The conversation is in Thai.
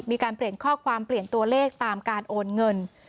มีการเปลี่ยนข้อความเปลี่ยนตัวเลขตามการโอนเงิน